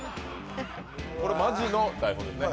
これマジの台本ですね